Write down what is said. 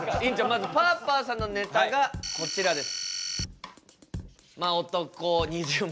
まずパーパーさんのネタがこちらです。